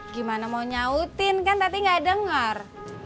gimana mau nyautin kan tati gak denger